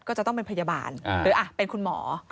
ก็จะต้องเป็นพยาบาลหรือเป็นคุณหมอ